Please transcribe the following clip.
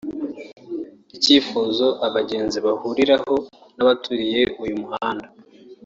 Ikifuzo abagenzi bahuriraho n’abaturiye uyu muhanda